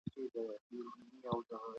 تاسو به د یو مثبت انسان په توګه پیژندل کیږئ.